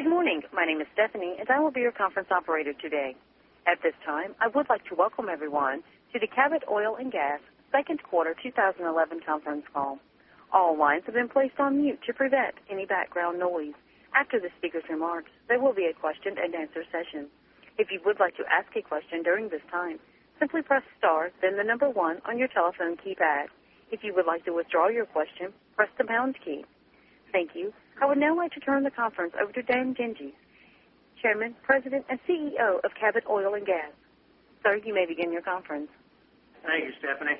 Good morning. My name is Stephanie, and I will be your conference operator today. At this time, I would like to welcome everyone to the Coterra Energy Second Quarter 2011 Conference Call. All lines have been placed on mute to prevent any background noise. After the speaker's remarks, there will be a question and answer session. If you would like to ask a question during this time, simply press star, then the number one on your telephone keypad. If you would like to withdraw your question, press the pound key. Thank you. I would now like to turn the conference over to Dan Dinges, Chairman, President, and CEO of Coterra Energy. Sir, you may begin your conference. Thank you, Stephanie.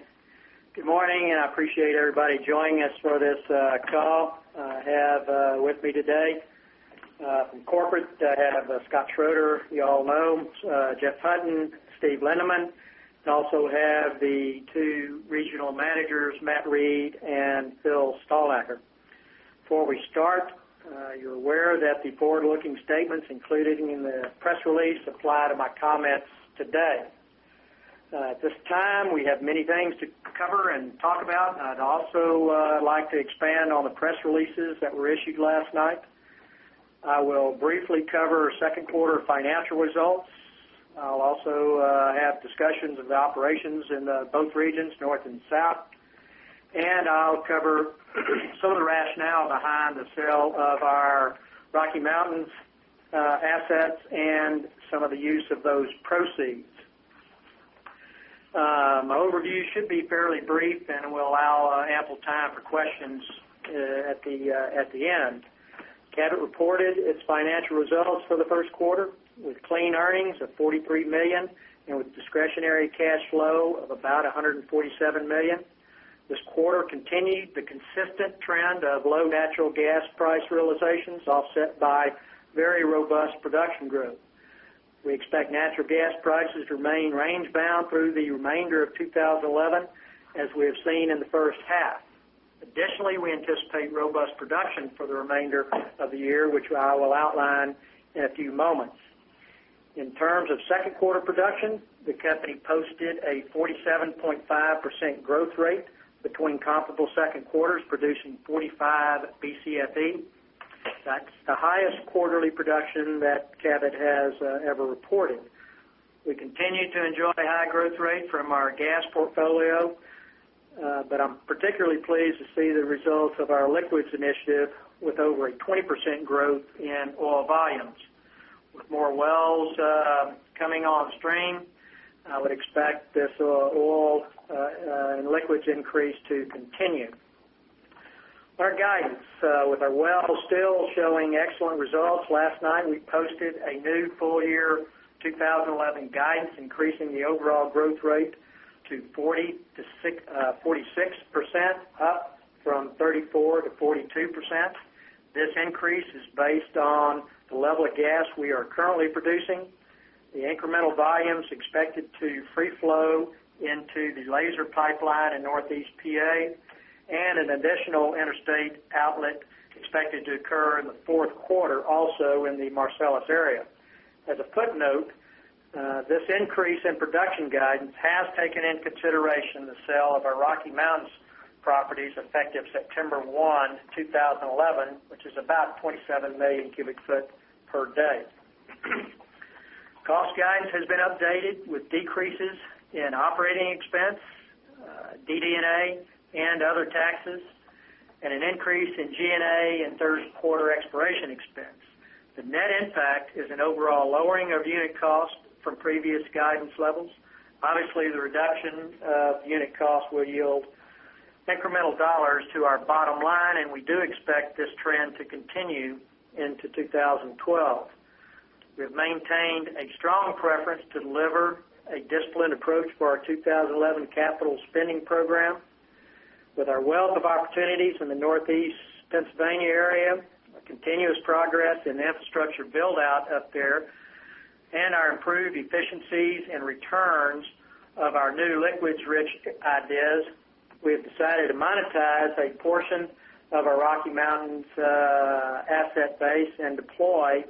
Good morning, and I appreciate everybody joining us for this call. I have with me today from corporate I have Scott Schroeder, you all know, Jeff Hutton, Steve Lindeman. I also have the two regional managers, Matt Reid and Phillip Stalnaker. Before we start, you're aware that the forward-looking statements included in the press release apply to my comments today. At this time, we have many things to cover and talk about. I'd also like to expand on the press releases that were issued last night. I will briefly cover second quarter financial results. I'll also have discussions of the operations in both regions, north and south, and I'll cover some of the rationale behind the sale of our Rocky Mountains assets and some of the use of those proceeds. My overview should be fairly brief and will allow ample time for questions at the end. Coterra Energy reported its financial results for the first quarter with clean earnings of $43 million and with discretionary cash flow of about $147 million. This quarter continued the consistent trend of low natural gas price realizations offset by very robust production growth. We expect natural gas prices to remain range-bound through the remainder of 2011, as we have seen in the first half. Additionally, we anticipate robust production for the remainder of the year, which I will outline in a few moments. In terms of second quarter production, the company posted a 47.5% growth rate between comparable second quarters, producing 45 BCFE. That's the highest quarterly production that Coterra Energy has ever reported. We continue to enjoy a high growth rate from our gas portfolio, but I'm particularly pleased to see the results of our liquids initiative with over a 20% growth in oil volumes. With more wells coming on stream, I would expect this oil and liquids increase to continue. Our guidance with our wells still showing excellent results. Last night, we posted a new full-year 2011 guidance, increasing the overall growth rate to 46%, up from 34%-42%. This increase is based on the level of gas we are currently producing. The incremental volumes expected to free flow into the Laser pipeline in Northeast Pennsylvania and an additional interstate outlet expected to occur in the fourth quarter, also in the Marcellus area. As a footnote, this increase in production guidance has taken into consideration the sale of our Rocky Mountains properties effective September 1, 2011, which is about 27 MMcfpd. Cost guidance has been updated with decreases in operating expense, DD&A, and other taxes, and an increase in G&A and third-quarter expiration expense. The net, in fact, is an overall lowering of unit costs from previous guidance levels. Obviously, the reduction of unit costs will yield incremental dollars to our bottom line, and we do expect this trend to continue into 2012. We have maintained a strong preference to deliver a disciplined approach for our 2011 capital spending program. With our wealth of opportunities in the Northeast Pennsylvania area, continuous progress in infrastructure build-out up there, and our improved efficiencies and returns of our new liquids-rich ideas, we have decided to monetize a portion of our Rocky Mountains asset base and deploy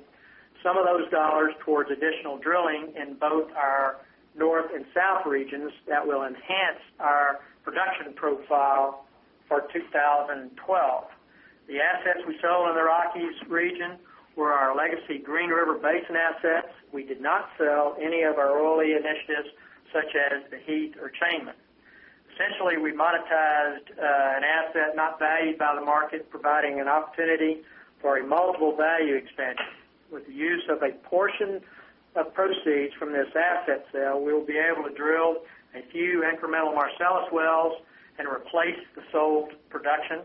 some of those dollars towards additional drilling in both our North and South regions that will enhance our production profile for 2012. The assets we sold in the Rockies region were our legacy Green River Basin assets. We did not sell any of our early initiatives such as the Heat or Chainline. Essentially, we monetized an asset not valued by the market, providing an opportunity for a multiple-value expansion. With the use of a portion of proceeds from this asset sale, we'll be able to drill a few incremental Marcellus wells and replace the sold production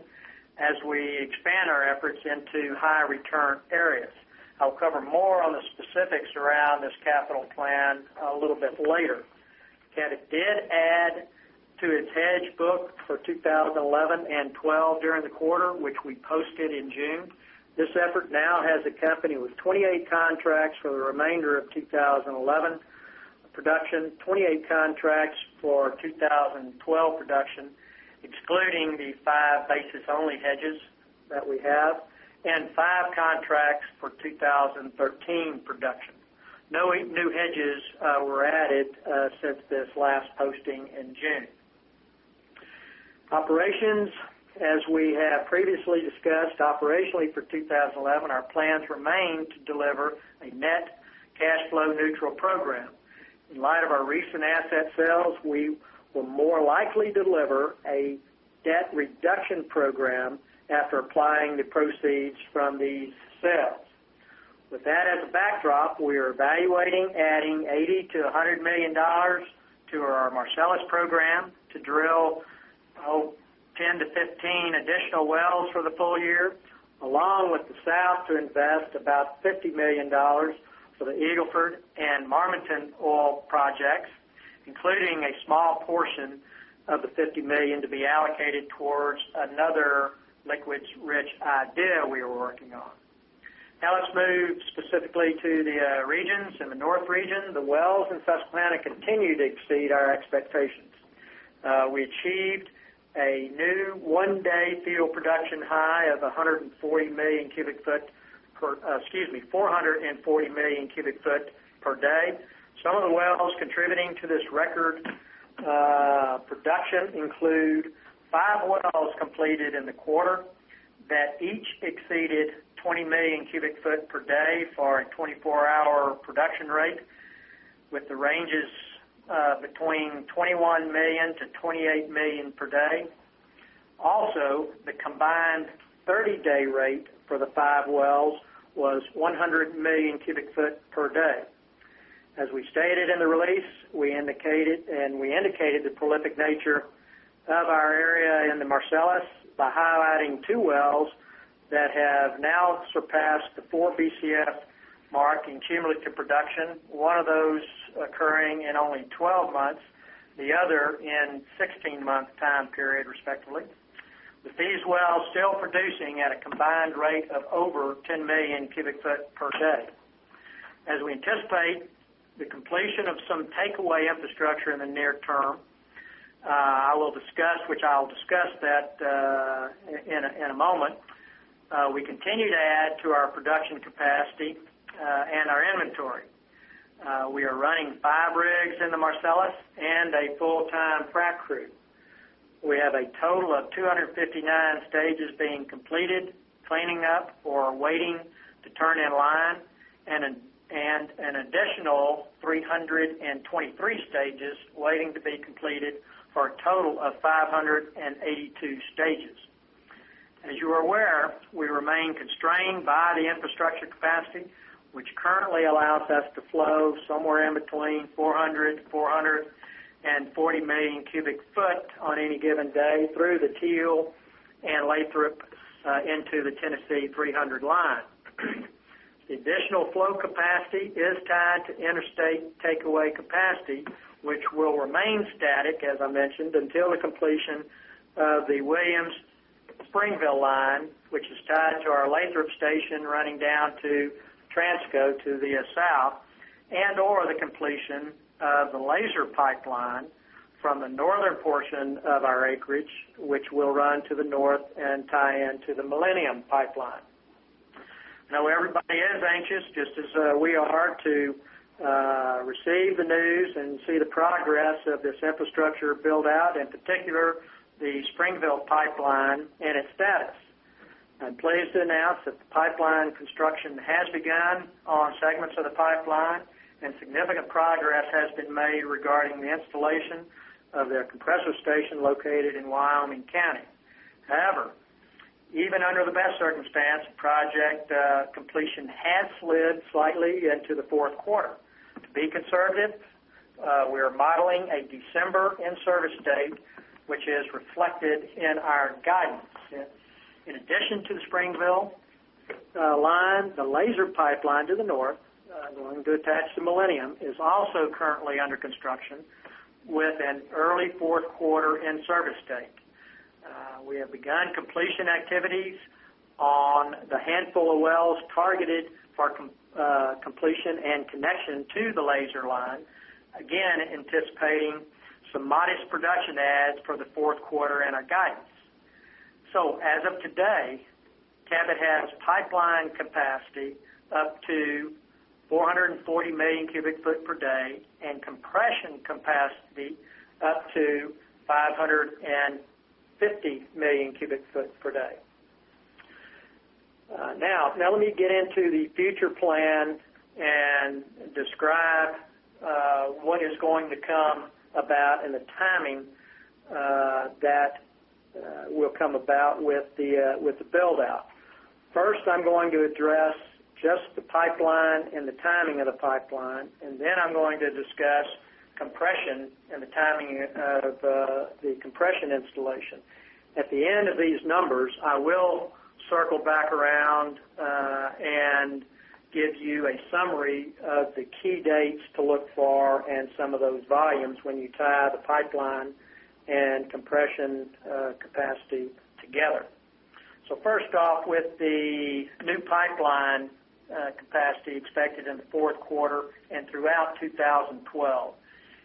as we expand our efforts into high-return areas. I'll cover more on the specifics around this capital plan a little bit later. Coterra Energy did add to its hedge book for 2011 and 2012 during the quarter, which we posted in June. This effort now has a company with 28 contracts for the remainder of 2011 production, 28 contracts for 2012 production, excluding the five basis-only hedges that we have, and five contracts for 2013 production. No new hedges were added since this last posting in June. Operations, as we have previously discussed, operationally for 2011, our plans remain to deliver a net cash-flow neutral program. In light of our recent asset sales, we will more likely deliver a debt reduction program after applying the proceeds from these sales. With that as a backdrop, we are evaluating adding $80 million-$100 million to our Marcellus program to drill 10-15 additional wells for the full year, along with the South to invest about $50 million for the Eagle Ford and Marmaton oil projects, including a small portion of the $50 million to be allocated towards another liquids-rich idea we are working on. Now let's move specifically to the regions. In the North Region, the wells in Susquehanna continue to exceed our expectations. We achieved a new one-day field production high of 440 million cu ft per day. Some of the wells contributing to this record production include five wells completed in the quarter that each exceeded 20 million cu ft per day for a 24-hour production rate, with the ranges between 21 million-28 million per day. Also, the combined 30-day rate for the five wells was 100 million cu ft per day. As we stated in the release, we indicated the prolific nature of our area in the Marcellus by highlighting two wells that have now surpassed the 4 BCF mark in cumulative production, one of those occurring in only 12 months, the other in a 16-month time period, respectively, with these wells still producing at a combined rate of over 10 million cu ft per day. As we anticipate the completion of some takeaway infrastructure in the near term, which I will discuss in a moment, we continue to add to our production capacity and our inventory. We are running five rigs in the Marcellus and a full-time frac crew. We have a total of 259 stages being completed, cleaning up, or waiting to turn in line, and an additional 323 stages waiting to be completed for a total of 582 stages. As you are aware, we remain constrained by the infrastructure capacity, which currently allows us to flow somewhere in between 400 million cu ft and 440 million cu ft on any given day through the TEAL and late through into the Tennessee 300 line. The additional flow capacity is tied to interstate takeaway capacity, which will remain static, as I mentioned, until the completion of the Williams-Springville line, which is tied to our Lathrop station running down to Transco to the south, and/or the completion of the Laser pipeline from the northern portion of our acreage, which will run to the north and tie into the Millennium pipeline. I know everybody is anxious, just as we are, to receive the news and see the progress of this infrastructure build-out, in particular the Springville pipeline and its status. I'm pleased to announce that the pipeline construction has begun on segments of the pipeline, and significant progress has been made regarding the installation of their compressor station located in Wyoming County. However, even under the best circumstance, project completion had slid slightly into the fourth quarter. To be conservative, we are modeling a December in-service date, which is reflected in our guidance. In addition to the Springville line, the Laser pipeline to the north, going to attach the Millennium, is also currently under construction with an early fourth quarter in-service date. We have begun completion activities on the handful of wells targeted for completion and connection to the Laser line, again anticipating some modest production adds for the fourth quarter in our guidance. As of today, Coterra Energy has pipeline capacity up to 440 million cu ft per day and compression capacity up to 550 million cu ft per day. Now let me get into the future plan and describe what is going to come about and the timing that will come about with the build-out. First, I'm going to address just the pipeline and the timing of the pipeline, and then I'm going to discuss compression and the timing of the compression installation. At the end of these numbers, I will circle back around and give you a summary of the key dates to look for and some of those volumes when you tie the pipeline and compression capacity together. First off, with the new pipeline capacity expected in the fourth quarter and throughout 2012,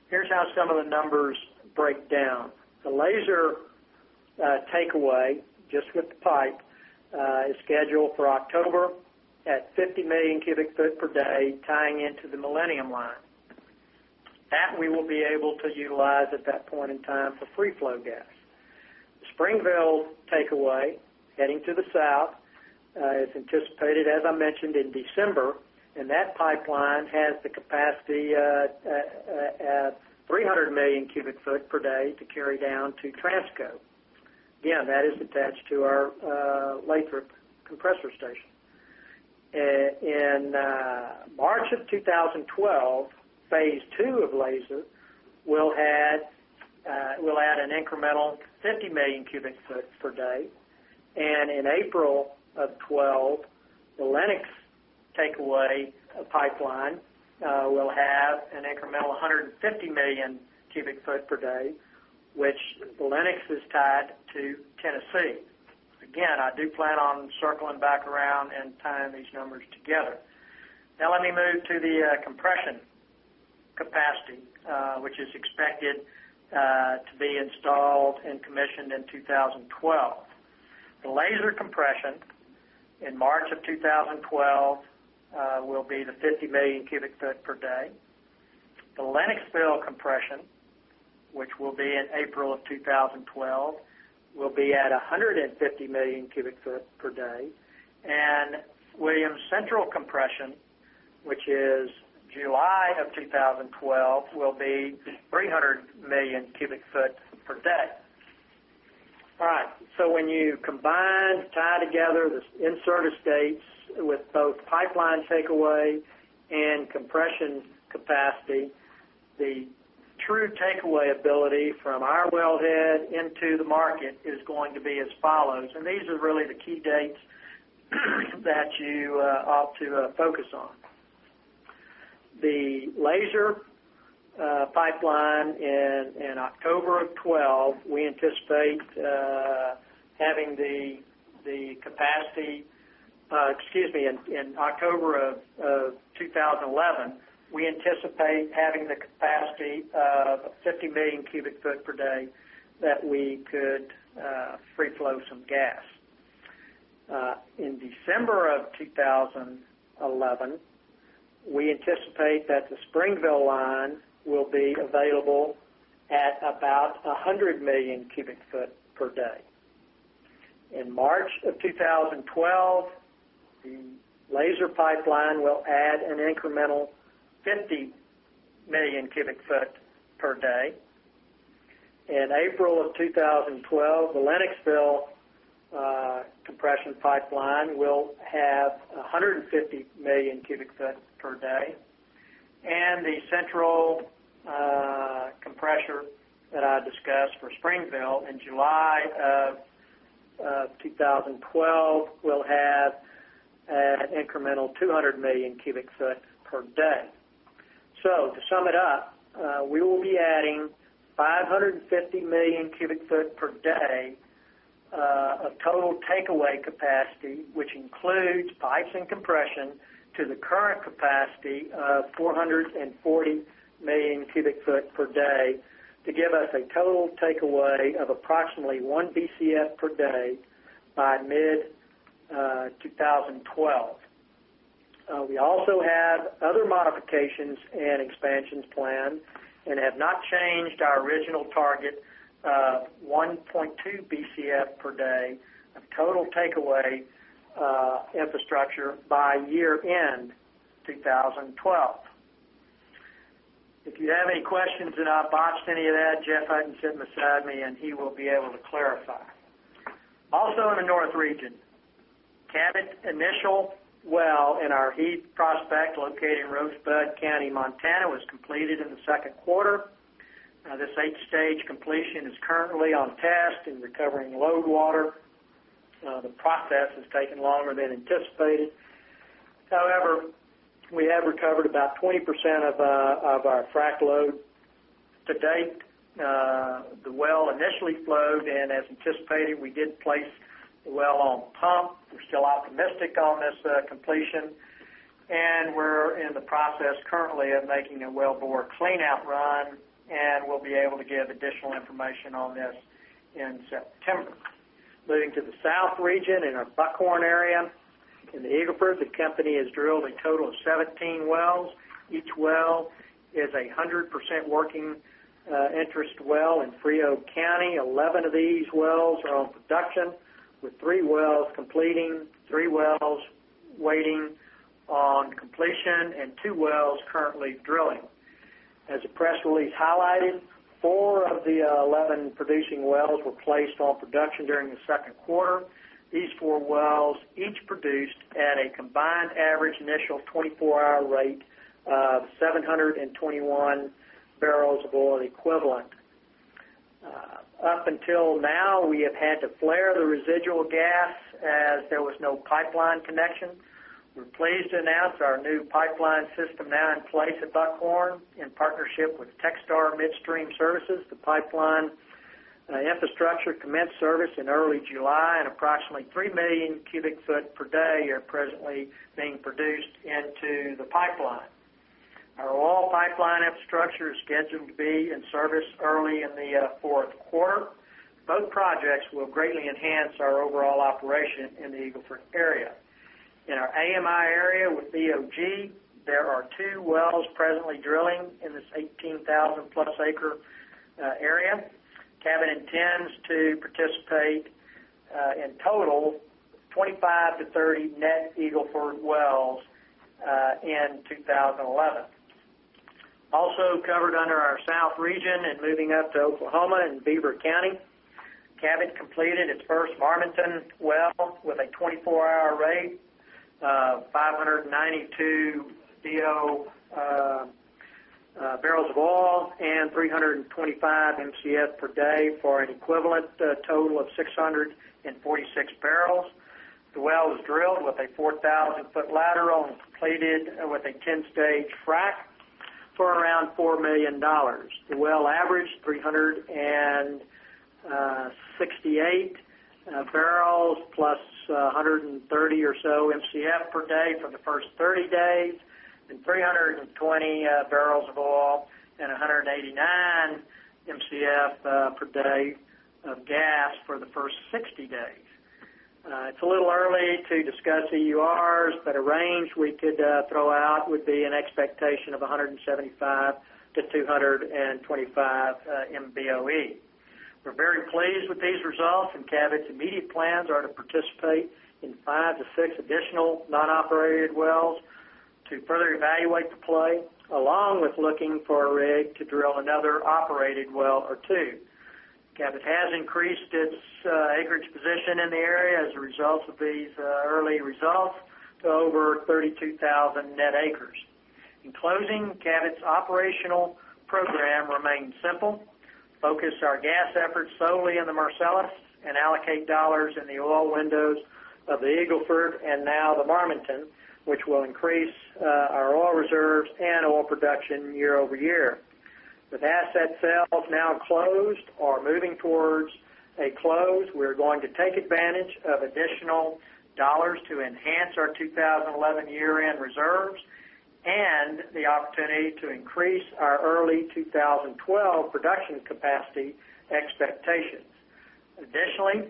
here's how some of the numbers break down. The Laser takeaway, just with the pipe, is scheduled for October at 50 million cu ft per day, tying into the Millennium line. That we will be able to utilize at that point in time for free flow gas. The Springville takeaway heading to the south is anticipated, as I mentioned, in December, and that pipeline has the capacity at 300 million cu ft per day to carry down to Transco. That is attached to our Lathrop compressor station. In March of 2012, phase II of Laser will add an incremental 50 million cu ft per day, and in April of 2012, the Lennox takeaway of pipeline will have an incremental 150 million cu ft per day, which the Lennox is tied to Tennessee. I do plan on circling back around and tying these numbers together. Now let me move to the compression capacity, which is expected to be installed and commissioned in 2012. The Laser compression in March of 2012 will be the 50 million cu ft per day. The Lennoxville compression, which will be in April of 2012, will be at 150 million cu ft per day, and Williams Central compression, which is July of 2012, will be 300 million cu ft per day. All right. When you combine, tie together the in-service dates with both pipeline takeaway and compression capacity, the true takeaway ability from our wellhead into the market is going to be as follows, and these are really the key dates that you ought to focus on. The Laser pipeline in October of 2012, we anticipate having the capacity, excuse me, in October of 2011, we anticipate having the capacity of 50 million cu ft per day that we could free flow some gas. In December of 2011, we anticipate that the Springville line will be available at about 100 million cu ft per day. In March of 2012, the Laser pipeline will add an incremental 50 million cu ft per day. In April of 2012, the Lennoxville compression pipeline will have 150 million cu ft per day, and the central compressor that I discussed for Springville in July of 2012 will have an incremental 200 million cu ft per day. To sum it up, we will be adding 550 million cu ft per day of total takeaway capacity, which includes pipes and compression to the current capacity of 440 million cu ft per day to give us a total takeaway of approximately 1 BCF per day by mid-2012. We also have other modifications and expansions planned and have not changed our original target of 1.2 BCF per day of total takeaway infrastructure by year-end 2012. If you have any questions and I botched any of that, Jeff can sit beside me, and he will be able to clarify. Also in the North Region, Coterra Energy's initial well in our Heat prospect located in Rosebud County, Montana, was completed in the second quarter. This eight-stage completion is currently on test and recovering load water. The process has taken longer than anticipated. However, we have recovered about 20% of our frack load to date. The well initially flowed, and as anticipated, we did place the well on pump. We're still optimistic on this completion, and we're in the process currently of making a wellbore clean-out run, and we'll be able to give additional information on this in September. Moving to the South Region in our Buckhorn area in the Eagle Ford, the company has drilled a total of 17 wells. Each well is a 100% working interest well in Frio County. 11 of these wells are on production, with 3 wells completing, 3 wells waiting on completion, and 2 wells currently drilling. As a press release highlighted, 4 of the 11 producing wells were placed on production during the second quarter. These 4 wells each produced at a combined average initial 24-hour rate of 721 bbl of oil equivalent. Up until now, we have had to flare the residual gas as there was no pipeline connection. We're pleased to announce our new pipeline system now in place at Buckhorn in partnership with Techstar Midstream Services. The pipeline infrastructure commenced service in early July, and approximately 3 million cu ft per day are presently being produced into the pipeline. Our oil pipeline infrastructure is scheduled to be in service early in the fourth quarter. Both projects will greatly enhance our overall operation in the Eagle Ford area. In our AMI area with BOG, there are 2 wells presently drilling in this 18,000+ acre area. Coterra Energy intends to participate in a total of 25-30 net Eagle Ford wells in 2011. Also covered under our South Region and moving up to Oklahoma and Beaver County, Coterra Energy completed its first Marmaton well with a 24-hour rate of 592 bbl of oil and 325 MMcf per day for an equivalent total of 646 bbl. The well was drilled with a 4,000 ft lateral and completed with a 10-stage frac for around $4 million. The well averaged 368 bbl + 130 or so MMcf per day for the first 30 days, and 320 bbl of oil and 189 MMcf per day of gas for the first 60 days. It's a little early to discuss EURs, but a range we could throw out would be an expectation of 175-225 MBOE. We're very pleased with these results, and Coterra Energy's immediate plans are to participate in five to six additional non-operated wells to further evaluate the play, along with looking for a rig to drill another operated well or two. Coterra Energy has increased its acreage position in the area as a result of these early results to over 32,000 net acres. In closing, Coterra Energy's operational program remains simple. Focus our gas efforts solely on the Marcellus and allocate dollars in the oil windows of the Eagle Ford and now the Marmaton, which will increase our oil reserves and oil production year-over-year. With asset sales now closed or moving towards a close, we're going to take advantage of additional dollars to enhance our 2011 year-end reserves and the opportunity to increase our early 2012 production capacity expectations. Additionally,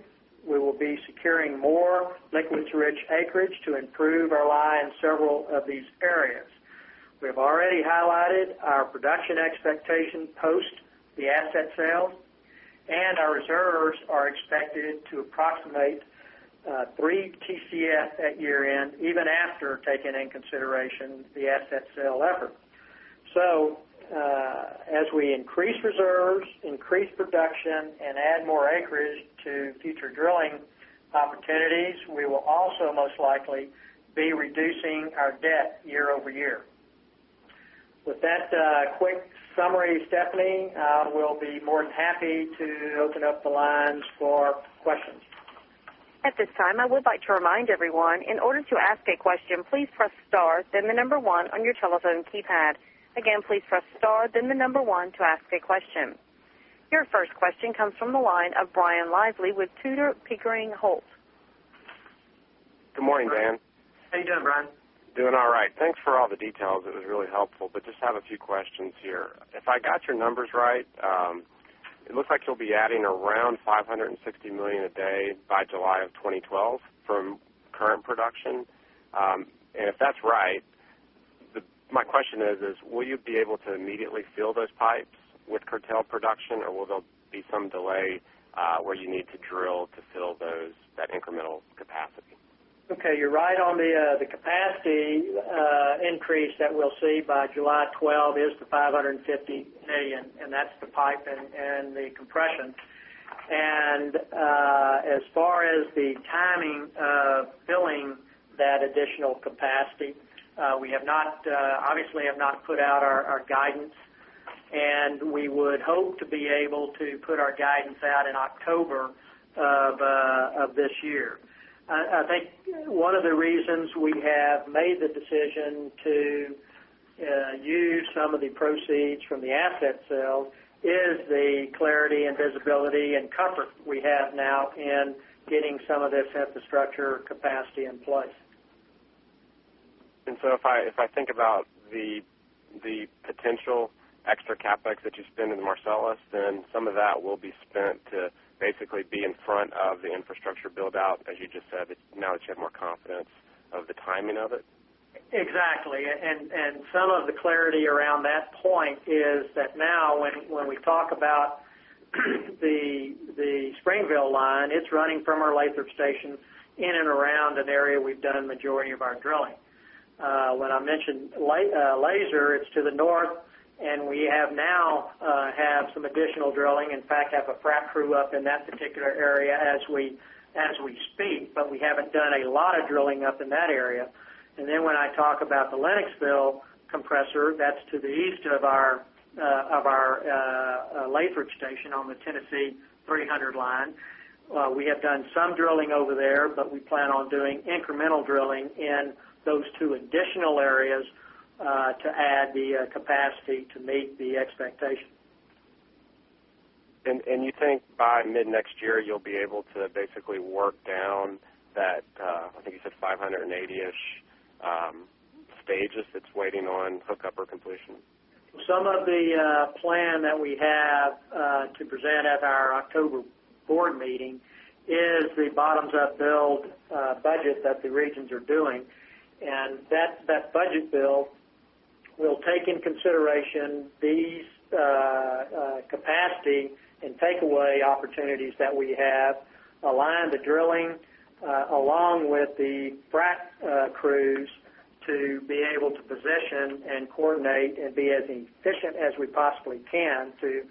we will be securing more liquids-rich acreage to improve our lie in several of these areas. We have already highlighted our production expectation post the asset sales, and our reserves are expected to approximate 3 TCF at year-end, even after taking in consideration the asset sale effort. As we increase reserves, increase production, and add more acreage to future drilling opportunities, we will also most likely be reducing our debt year-over-year. With that quick summary, Stephanie, I will be more than happy to open up the lines for questions. At this time, I would like to remind everyone, in order to ask a question, please press star, then the number one on your telephone keypad. Again, please press star, then the number one to ask a question. Your first question comes from the line of Brian Lively with Tudor Pickering Holt. Good morning, Dan. How are you doing, Brian? Doing all right. Thanks for all the details. It was really helpful, but just have a few questions here. If I got your numbers right, it looks like you'll be adding around 560 MMcfpd by July 2012 from current production. If that's right, my question is, will you be able to immediately fill those pipes with curtailed production, or will there be some delay where you need to drill to fill that incremental capacity? Okay. You're right on the capacity increase that we'll see by July 12 is the 550 million, and that's the piping and the compression. As far as the timing of filling that additional capacity, we have not put out our guidance, and we would hope to be able to put our guidance out in October of this year. I think one of the reasons we have made the decision to use some of the proceeds from the asset sale is the clarity and visibility and comfort we have now in getting some of this infrastructure capacity in place. If I think about the potential extra CapEx that you spend in the Marcellus, some of that will be spent to basically be in front of the infrastructure build-out, as you just said, now that you have more confidence of the timing of it? Exactly. Some of the clarity around that point is that now when we talk about the Springville pipeline, it's running from our Lathrop station in and around an area we've done the majority of our drilling. When I mentioned Laser, it's to the north, and we now have some additional drilling. In fact, we have a frack crew up in that particular area as we speak, but we haven't done a lot of drilling up in that area. When I talk about the Lennoxville compressor, that's to the east of our Lathrop station on the Tennessee 300 line. We have done some drilling over there, but we plan on doing incremental drilling in those two additional areas to add the capacity to meet the expectation. Do you think by mid-next year you'll be able to basically work down that, I think you said 580-ish stages that's waiting on hookup or completion? Some of the plan that we have to present at our October board meeting is the bottoms-up build budget that the regions are doing, and that budget build will take in consideration these capacity and takeaway opportunities that we have, align the drilling along with the frack crews to be able to position and coordinate and be as efficient as we possibly can to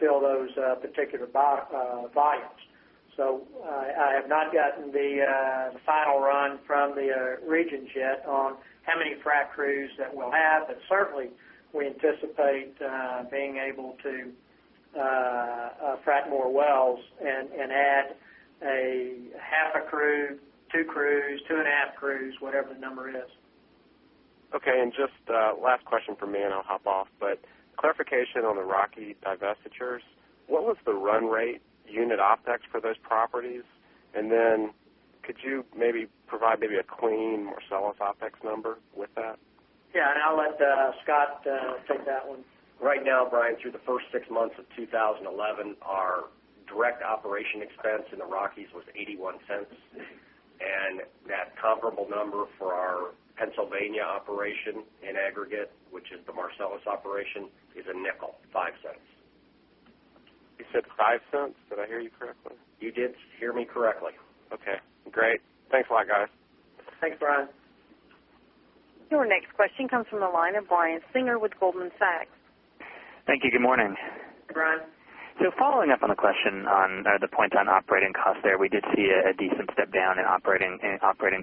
fill those particular volumes. I have not gotten the final run from the regions yet on how many frack crews that we'll have, and certainly we anticipate being able to frack more wells and add a half a crew, two crews, two and a half crews, whatever the number is. Okay. Just, last question from me, I'll hop off, clarification on the Rocky divestitures. What was the run rate unit OpEx for those properties? Could you maybe provide maybe a clean Marcellus OpEx number with that? Yeah. I'll let Scott take that one. Right now, Brian, through the first six months of 2011, our direct operation expense in the Rockies was $0.81, and that comparable number for our Pennsylvania operation in aggregate, which is the Marcellus operation, is $0.05. You said $0.05? Did I hear you correctly? You did hear me correctly. Okay. Great. Thanks a lot, guys. Thanks, Brian. Your next question comes from the line of Brian Singer with Goldman Sachs. Thank you. Good morning. Good morning. Following up on the question on the points on operating costs there, we did see a decent step down in operating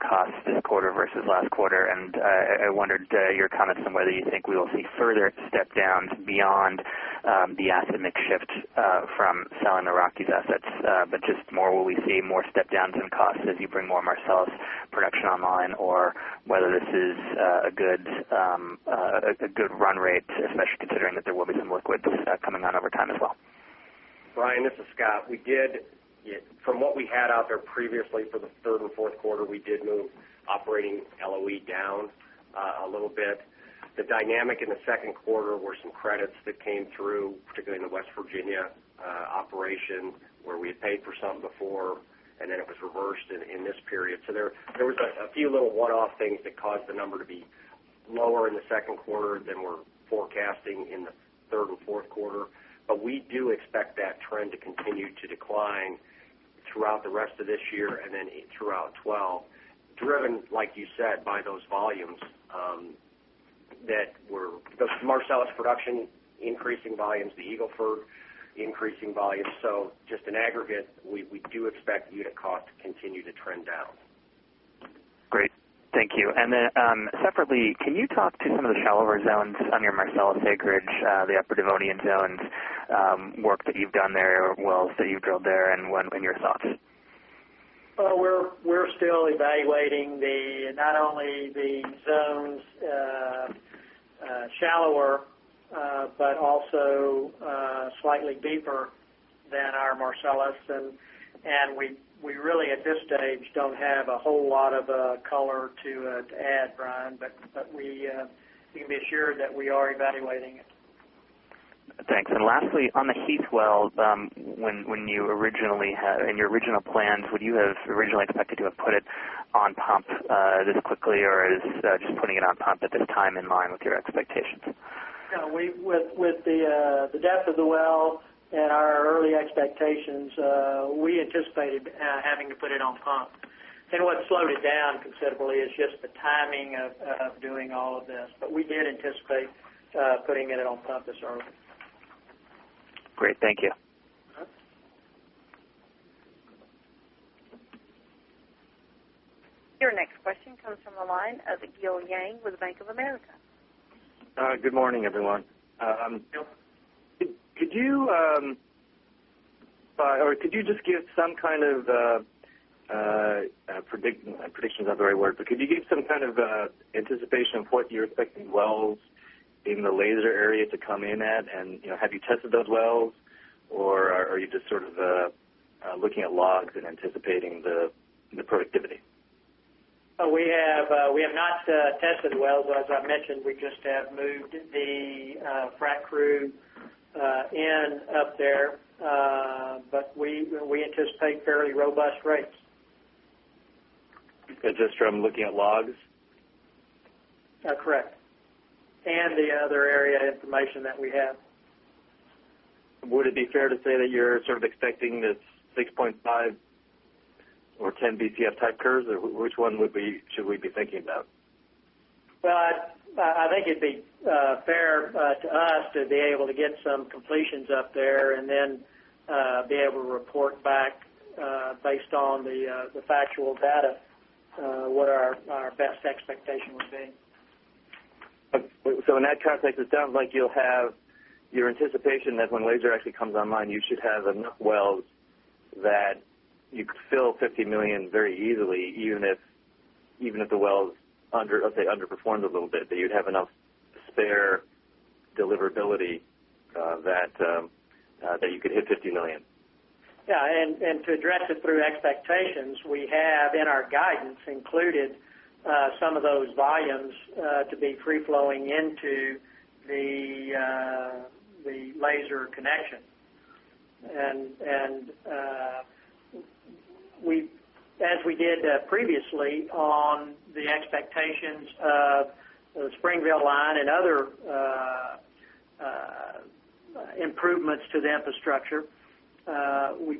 costs this quarter versus last quarter, and I wondered your comments on whether you think we will see further step-downs beyond the asset mix shift from selling the Rockies assets. Will we see more step-downs in costs as you bring more Marcellus production online, or is this a good run rate, especially considering that there will be some liquids coming on over time as well? Brian, this is Scott. We did, from what we had out there previously for the third and fourth quarter, move operating LOE down a little bit. The dynamic in the second quarter were some credits that came through, particularly in the West Virginia operation, where we had paid for something before, and then it was reversed in this period. There were a few little one-off things that caused the number to be lower in the second quarter than we're forecasting in the third and fourth quarter, but we do expect that trend to continue to decline throughout the rest of this year and then throughout 2012, driven, like you said, by those volumes that were the Marcellus production increasing volumes, the Eagle Ford increasing volumes. Just in aggregate, we do expect unit costs to continue to trend down. Great. Thank you. Separately, can you talk to some of the shallower zones on your Marcellus acreage, the Upper Devonian zones work that you've done there, wells that you've drilled there, and what have been your thoughts? We are still evaluating not only the zones shallower, but also slightly deeper than our Marcellus, and we really, at this stage, don't have a whole lot of color to add, Brian, but you can be assured that we are evaluating it. Thanks. Lastly, on the Heath well, when you originally had in your original plans, would you have originally expected to have put it on pump this quickly, or is just putting it on pump at this time in line with your expectations? No. With the depth of the well and our early expectations, we anticipated having to put it on pump. What slowed it down considerably is just the timing of doing all of this, but we did anticipate putting it on pump this early. Great. Thank you. Your next question comes from the line of Gill Yang with Bank of America. Good morning, everyone. I'm Gill. Could you just give some kind of prediction's not the right word, but could you give some kind of anticipation of what you're expecting wells in the Laser pipeline area to come in at, and you know have you tested those wells, or are you just sort of looking at logs and anticipating the productivity? We have not tested wells. As I mentioned, we just have moved the frack crew in up there, but we anticipate fairly robust rates. Just from looking at logs? Correct. The other area information that we have. Would it be fair to say that you're sort of expecting the 6.5 or 10 BCFE type curves, or which one should we be thinking about? I think it'd be fair to us to be able to get some completions up there and then be able to report back based on the factual data what our best expectation would be. In that context, it sounds like you'll have your anticipation that when Laser actually comes online, you should have enough wells that you could fill 50 million very easily, even if the wells, I'll say, underperformed a little bit, that you'd have enough spare deliverability that you could hit 50 million. Yeah. To address it through expectations, we have in our guidance included some of those volumes to be free flowing into the Laser pipeline connection. As we did previously on the expectations of the Springville pipeline and other improvements to the infrastructure, we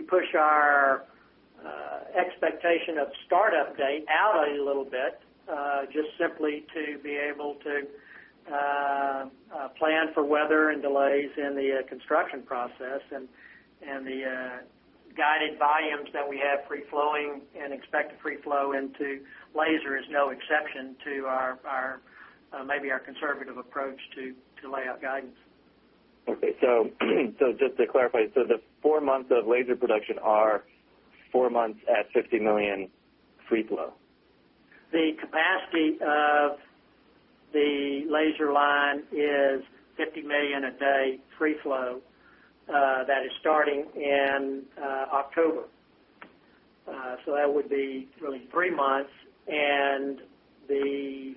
push our expectation of startup date out a little bit, simply to be able to plan for weather and delays in the construction process. The guided volumes that we have free flowing and expect to free flow into Laser is no exception to maybe our conservative approach to layout guidance. Okay. Just to clarify, the four months of Laser pipeline production are four months at 50 million free flow? The capacity of the Laser pipeline is 50 million a day free flow that is starting in October. That would be really three months, and the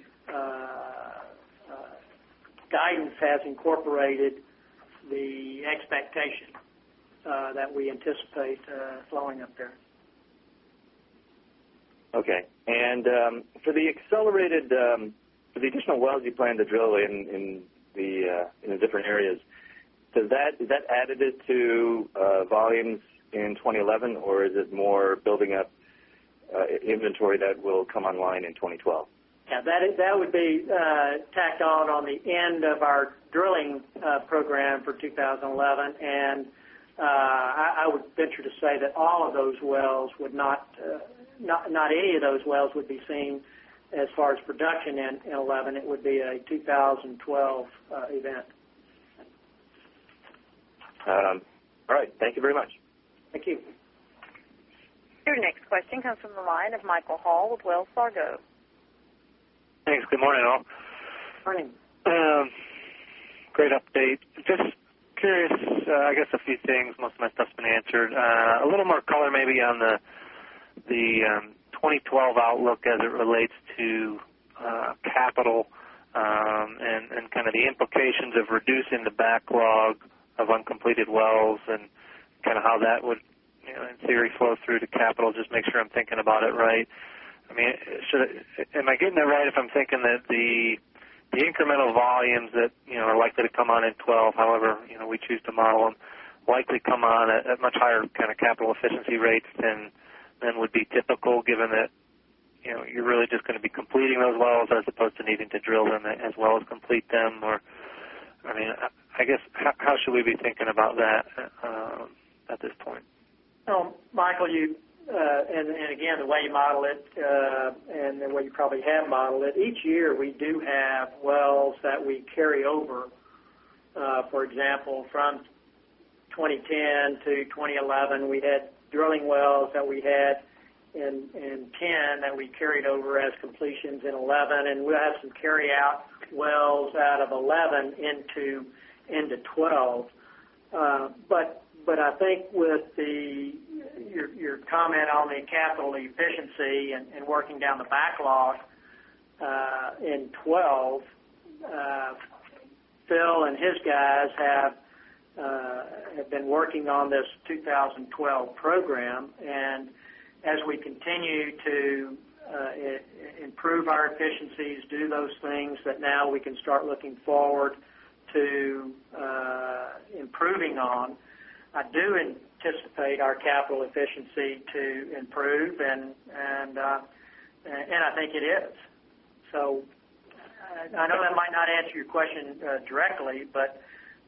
guidance has incorporated the expectation that we anticipate flowing up there. Okay. For the additional wells you plan to drill in the different areas, is that additive to volumes in 2011, or is it more building up inventory that will come online in 2012? Yeah. That would be tacked on at the end of our drilling program for 2011, and I would venture to say that none of those wells would be seen as far as production in 2011. It would be a 2012 event. All right. Thank you very much. Thank you. Your next question comes from the line of Michael Hall with Wells Fargo. Thanks. Good morning, all. Morning. Great update. Just curious, I guess, a few things. Most of my stuff's been answered. A little more color maybe on the 2012 outlook as it relates to capital, and kind of the implications of reducing the backlog of uncompleted wells and kind of how that would, you know, in theory flow through to capital. Just make sure I'm thinking about it right. I mean, am I getting that right if I'm thinking that the incremental volumes that, you know, are likely to come on in 2012, however, you know, we choose to model them, likely come on at much higher kind of capital efficiency rates than would be typical given that, you know, you're really just going to be completing those wells as opposed to needing to drill them as well as complete them? Or, I mean, I guess how should we be thinking about that at this point? Michael, you, and again, the way you model it, and the way you probably have modeled it, each year we do have wells that we carry over. For example, from 2010 to 2011, we had drilling wells that we had in 2010 that we carried over as completions in 2011, and we'll have some carry-out wells out of 2011 into 2012. I think with your comment on the capital efficiency and working down the backlog in 2012, Phil and his guys have been working on this 2012 program, and as we continue to improve our efficiencies, do those things that now we can start looking forward to improving on, I do anticipate our capital efficiency to improve, and I think it is. I know that might not answer your question directly, but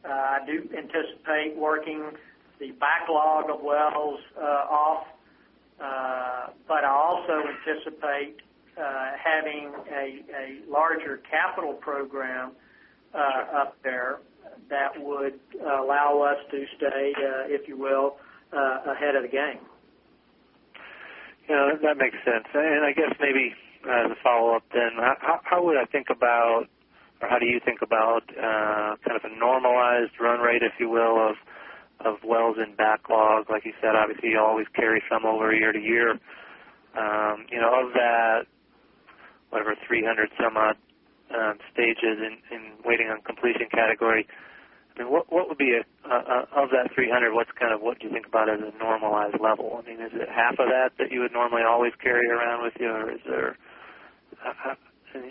I do anticipate working the backlog of wells off, but I also anticipate having a larger capital program up there that would allow us to stay, if you will, ahead of the game. That makes sense. I guess maybe as a follow-up then, how would I think about, or how do you think about kind of a normalized run rate, if you will, of wells in backlog? Like you said, obviously, you always carry some over year to year. Of that, whatever, 300-some-odd stages in waiting on completion category, what would it be? Of that 300, what's kind of what you think about as a normalized level? Is it half of that that you would normally always carry around with you, or is there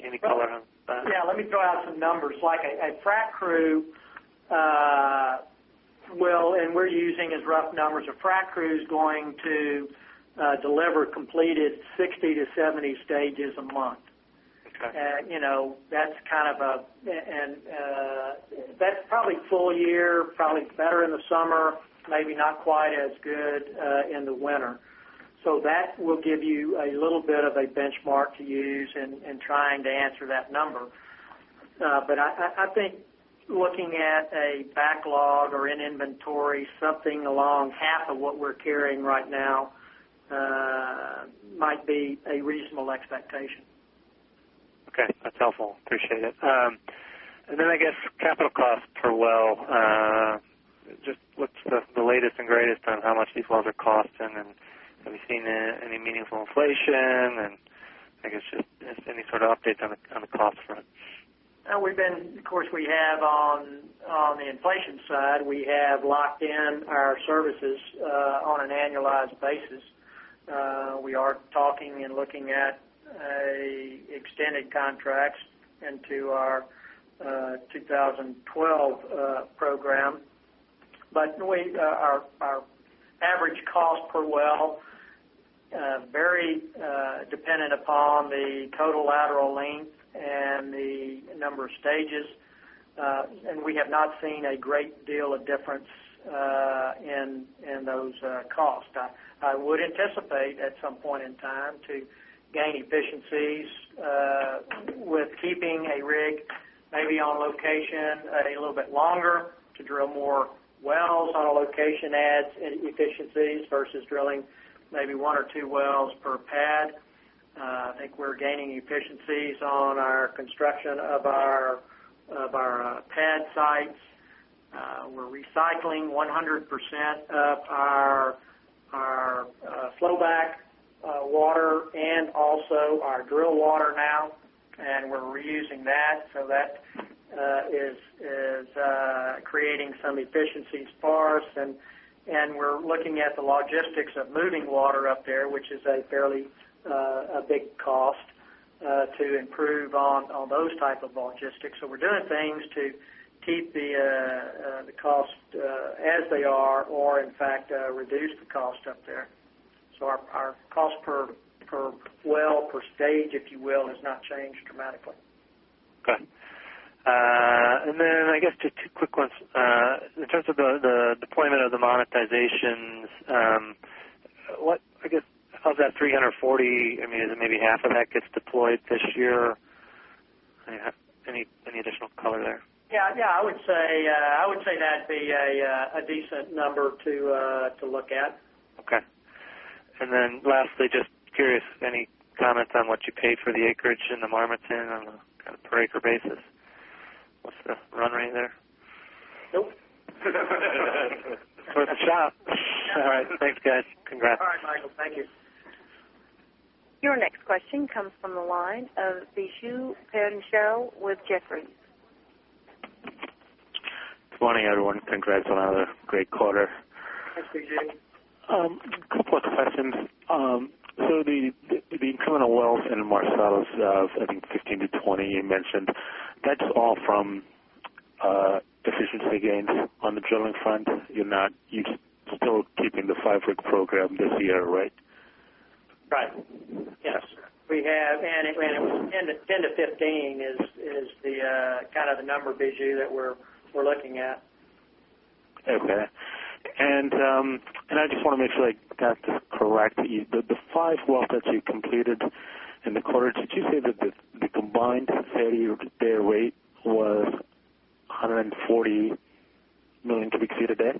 any color on that? Yeah. Let me throw out some numbers. Like a frack crew will, and we're using as rough numbers, a frack crew is going to deliver completed 60-70 stages a month. Okay. That's kind of a, and that's probably full year, probably better in the summer, maybe not quite as good in the winter. That will give you a little bit of a benchmark to use in trying to answer that number. I think looking at a backlog or an inventory, something along half of what we're carrying right now might be a reasonable expectation. Okay. That's helpful. Appreciate it. I guess capital cost per well, just what's the latest and greatest on how much these wells are costing, and have you seen any meaningful inflation? I guess just any sort of updates on the cost front? Of course, we have on the inflation side, we have locked in our services on an annualized basis. We are talking and looking at extended contracts into our 2012 program, but our average cost per well, very dependent upon the total lateral length and the number of stages, and we have not seen a great deal of difference in those costs. I would anticipate at some point in time to gain efficiencies with keeping a rig maybe on location a little bit longer to drill more wells on a location adds efficiencies versus drilling maybe one or two wells per pad. I think we're gaining efficiencies on our construction of our pad sites. We're recycling 100% of our flowback water and also our drill water now, and we're reusing that. That is creating some efficiencies for us, and we're looking at the logistics of moving water up there, which is a fairly big cost to improve on those types of logistics. We are doing things to keep the costs as they are or, in fact, reduce the cost up there. Our cost per well, per stage, if you will, has not changed dramatically. Okay. I guess just two quick ones. In terms of the deployment of the monetizations, what I guess of that $340 million, is it maybe half of that gets deployed this year? Any additional color there? Yeah, yeah. I would say that'd be a decent number to look at. Okay. Lastly, just curious, any comments on what you paid for the acreage in the Marmaton on a per-acre basis? What's the run rate there? Nope, it's worth a shot. All right. Thanks, guys. Congrats. All right, Michael. Thank you. Your next question comes from the line of [Vishu Pattel] with Jefferies. Morning, everyone. Congrats on another great quarter. Nice to meet you. A couple of questions. The incremental wells in Marcellus, I think 15-20 you mentioned, that's all from efficiency gains on the drilling front. You're not, you're still keeping the 5-rig program this year, right? Right. Yes, we have 10-15 is kind of the number, Vishu, that we're looking at. Okay. I just want to make sure I got this correctly. The five wells that you completed in the quarter, did you say that the combined fair use per well rate was 140 million cu ft a day?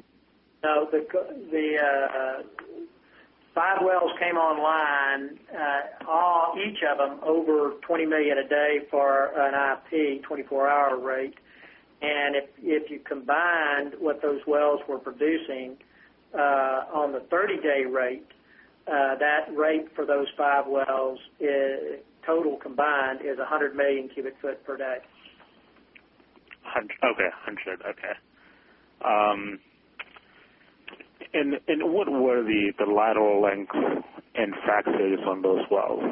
No. The five wells came online, each of them over 20 million a day for an IP 24-hour rate. If you combined what those wells were producing on the 30-day rate, that rate for those five wells total combined is 100 million cu ft per day. Okay. Okay. What were the lateral length and frac days on those wells?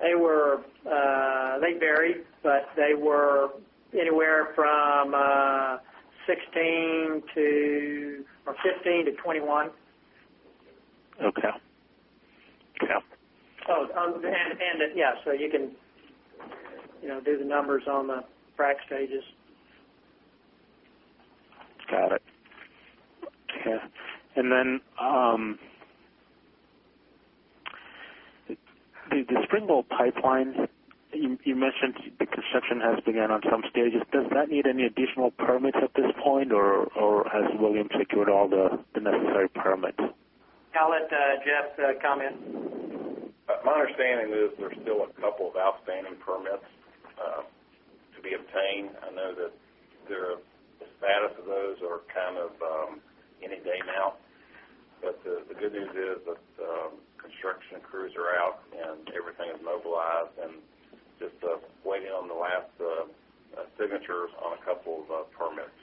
They varied, but they were anywhere from 15-21. Okay. Okay. Yeah, you can do the numbers on the frac stages. Got it. Okay. The Springville pipeline, you mentioned the construction has begun on some stages. Does that need any additional permits at this point, or has Williams secured all the necessary permits? I'll let Jeff comment. My understanding is there's still a couple of outstanding permits to be obtained. I know that the status of those are kind of any day now, but the good news is that construction crews are out and everything is mobilized, just waiting on the last signatures on a couple of permits.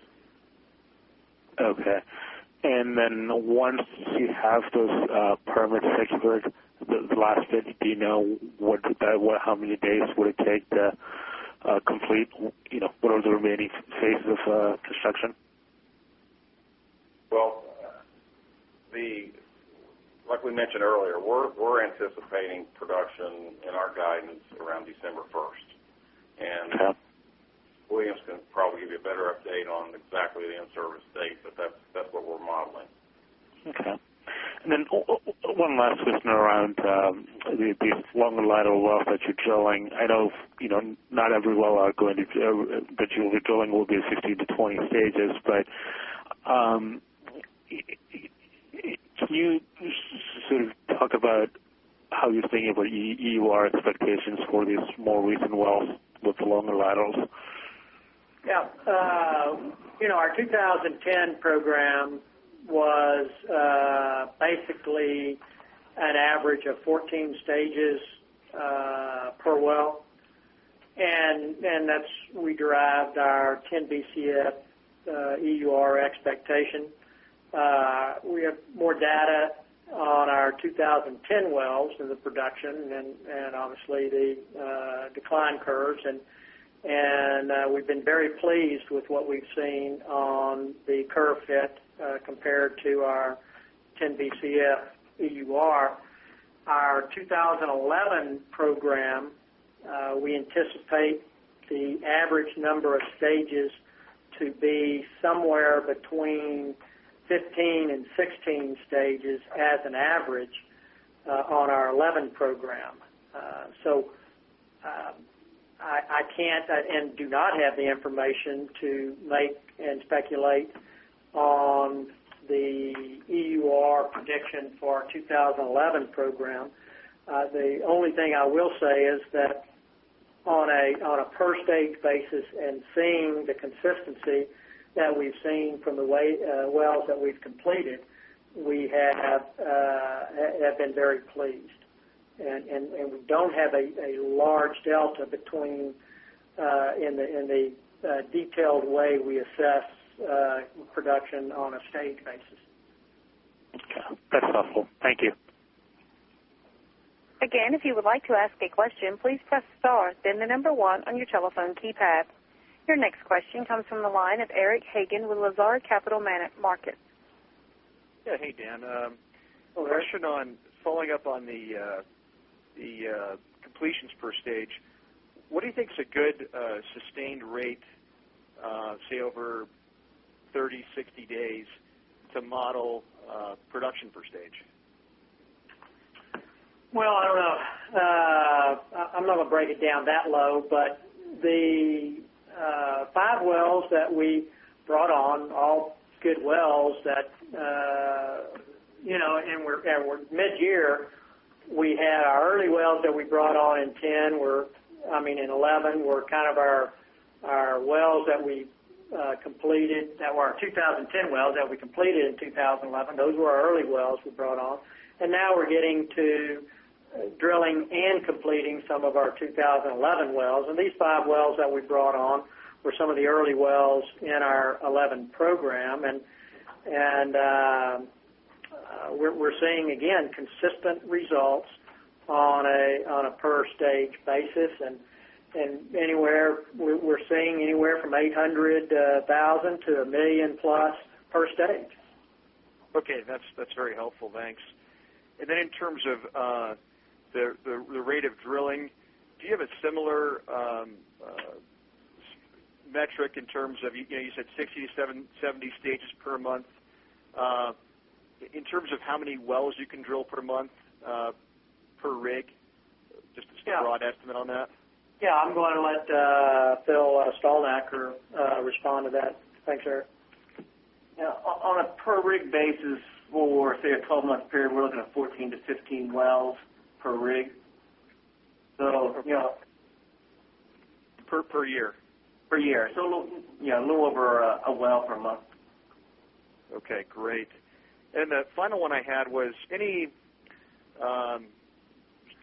Okay. Once you have those permits expired, the last stage, do you know how many days it would take to complete one of the remaining phases of construction? As we mentioned earlier, we're anticipating production in our guidance around December 1, and Williams can probably give you a better update on exactly the in-service date, but that's what we're modeling. Okay. One last question around these longer lateral wells that you're drilling. I know not every well that you'll be drilling will be 50-20 stages, but can you sort of talk about how you're thinking of what your expectations for these more recent wells with the longer laterals? Yeah. You know our 2010 program was basically an average of 14 stages per well, and that's where we derived our 10 BCF EUR expectation. We have more data on our 2010 wells than the production and obviously the decline curves, and we've been very pleased with what we've seen on the curve fit compared to our 10 BCF EUR. Our 2011 program, we anticipate the average number of stages to be somewhere between 15 and 16 stages as an average on our 2011 program. I can't and do not have the information to make and speculate on the EUR prediction for our 2011 program. The only thing I will say is that on a per-stage basis and seeing the consistency that we've seen from the way wells that we've completed, we have been very pleased, and we don't have a large delta between in the detailed way we assess production on a stage basis. Okay. That's helpful. Thank you. Again, if you would like to ask a question, please press star, then the number one on your telephone keypad. Your next question comes from the line of Eric Hagen with Lazard Capital Markets. Yeah. Hey, Dan. I'm actually following up on the completions per stage. What do you think is a good sustained rate, say, over 30, 60 days to model production per stage? I'm not going to break it down that low, but the five wells that we brought on, all good wells that, you know, we're mid-year. We had our early wells that we brought on in 2010, I mean, in 2011, were kind of our wells that we completed that were our 2010 wells that we completed in 2011. Those were our early wells we brought on. Now we're getting to drilling and completing some of our 2011 wells, and these five wells that we brought on were some of the early wells in our 2011 program. We're seeing, again, consistent results on a per-stage basis, and we're seeing anywhere from 800-1,000 to 1,000,000+ per stage. Okay. That's very helpful. Thanks. In terms of the rate of drilling, do you have a similar metric in terms of, you know, you said 60, 70 stages per month, in terms of how many wells you can drill per month per rig? Just a broad estimate on that. Yeah. I'm going to let Phillip Stalnaker respond to that. Thanks, sir. Yeah, on a per-rig basis for, say, a 12-month period, we're looking at 14-15 wells per rig. Per year. Per year, a little over a well per month. Okay. Great. The final one I had was any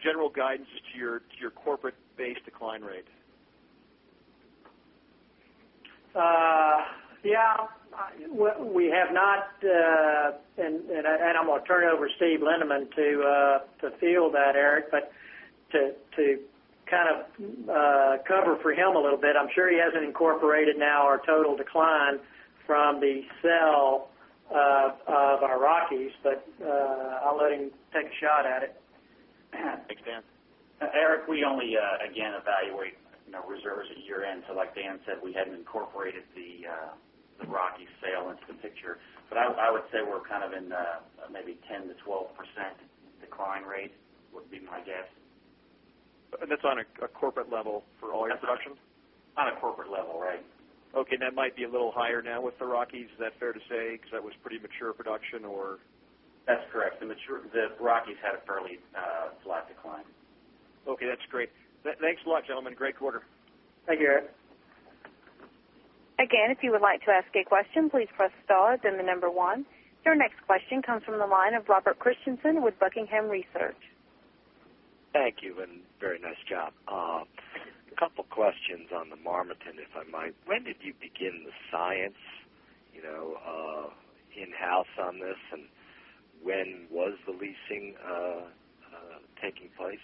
general guidance to your corporate-based decline rate? Yeah. We have not, and I'm going to turn it over to Steve Lindeman to field that, Eric, but to kind of cover for him a little bit. I'm sure he hasn't incorporated now our total decline from the sale of our Rockies, but I'll let him take a shot at it. Thanks, Dan. Eric, we only evaluate reserves at year-end. Like Dan said, we haven't incorporated the Rockies sale into the picture, but I would say we're kind of in maybe 10%-12% decline rate would be my guess. Is that on a corporate level for all your production? On a corporate level, right. Okay. That might be a little higher now with the Rockies. Is that fair to say because that was pretty mature production, or? That's correct. The Rockies had a fairly flat decline. Okay. That's great. Thanks a lot, gentlemen. Great quarter. Thank you, Ed. Again, if you would like to ask a question, please press star then the number one. Your next question comes from the line of Robert Christensen with Buckingham Research. Thank you. Very nice job. A couple of questions on the Marmaton, if I might. When did you begin the science, you know, in-house on this, and when was the leasing taking place?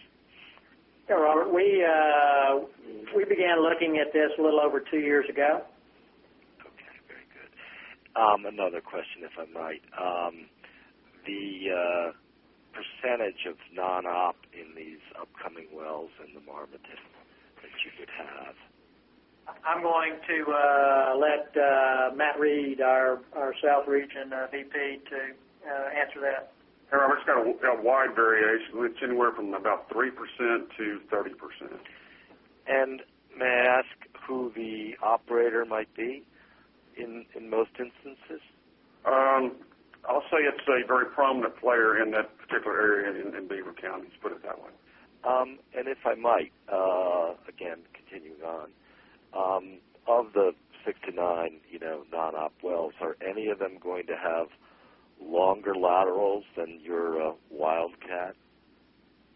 Yeah, Robert. We began looking at this a little over two years ago. Okay. Very good. Another question, if I might. The percentage of non-op in these upcoming wells in the Marmaton that you could have? I'm going to let Matt Reid, our South Region Vice President, answer that. Robert's got a wide variation. It's anywhere from about 3%-30%. May I ask who the operator might be in most instances? I'll say it's a very prominent player in that particular area in Beaver County. Let's put it that way. If I might, again, continue on. Of the 69, you know, non-op wells, are any of them going to have longer laterals than your Wildcat?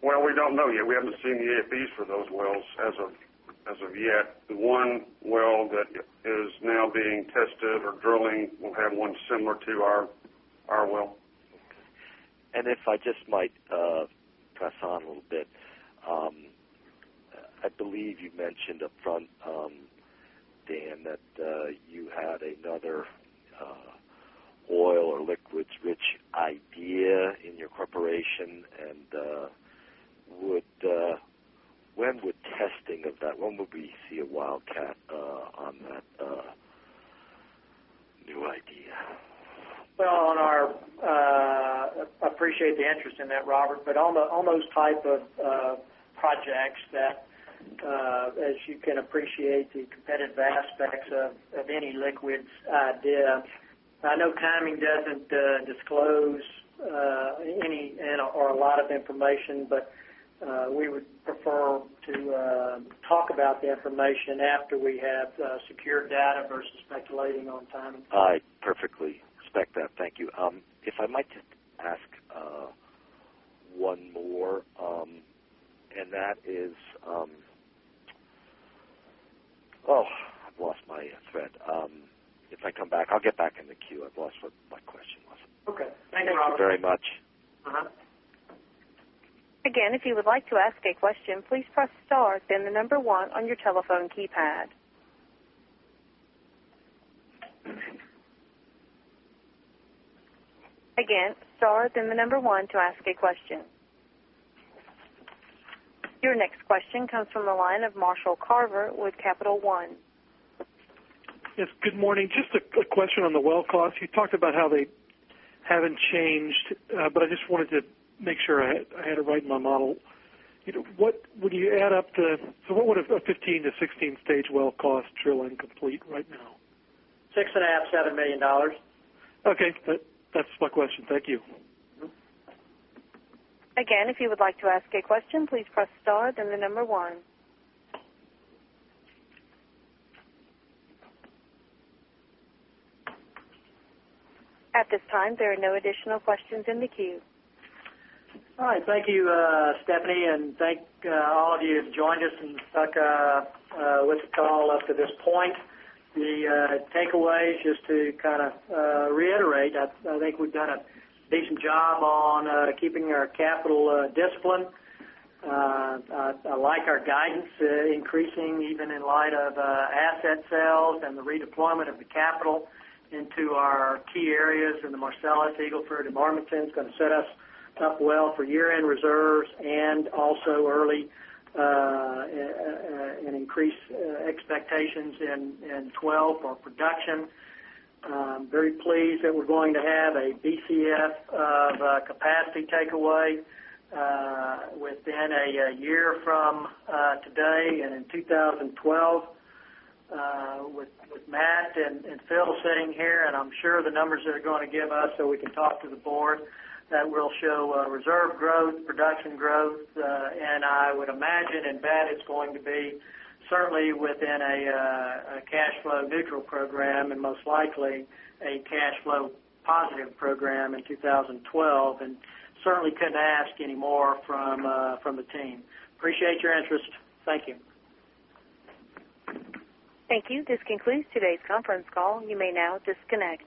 We don't know yet. We haven't seen the AFEs for those wells as of yet. The one well that is now being tested or drilling will have one similar to our well. Okay. If I just might press on a little bit, I believe you mentioned upfront, Dan, that you had another oil or liquid switch idea in your corporation, and when would testing of that, when would we see a Wildcat on that new idea? I appreciate the interest in that, Robert, but on those types of projects, as you can appreciate, the competitive aspects of any liquids' debt. I know timing doesn't disclose any or a lot of information, but we would prefer to talk about the information after we have secured data versus speculating on timing. I perfectly respect that. Thank you. If I might just ask one more, and that is, I lost my thread. If I come back, I'll get back in the queue. I've lost what my question was. Okay. Thank you, Robert. Thank you very much. Again, if you would like to ask a question, please press star, then the number one on your telephone keypad. Again, star, then the number one to ask a question. Your next question comes from the line of Marshall Carver with Capital One. Yes. Good morning. Just a question on the well cost. You talked about how they haven't changed, but I just wanted to make sure I had it right in my model. What would you add up to, so what would a 15-16 stage well cost drilling complete right now? $6.5 million, $7 million. Okay, that's my question. Thank you. Again, if you would like to ask a question, please press star, then the number one. At this time, there are no additional questions in the queue. All right. Thank you, Stephanie, and thank all of you who have joined us and stuck with us all up to this point. The takeaway is just to kind of reiterate that I think we've done a decent job on keeping our capital discipline. I like our guidance increasing even in light of asset sales and the redeployment of the capital into our key areas in the Marcellus, Eagle Ford, and Marmaton. It's going to set us well for year-end reserves and also early and increased expectations in 2012 for production. I'm very pleased that we're going to have a BCF of capacity takeaway within a year from today and in 2012 with Matt and Phil sitting here, and I'm sure the numbers that are going to give us so we can talk to the board that will show reserve growth, production growth, and I would imagine in fact it's going to be certainly within a cash flow neutral program and most likely a cash flow positive program in 2012. Certainly couldn't ask any more from the team. Appreciate your interest. Thank you. Thank you. This concludes today's conference call. You may now disconnect.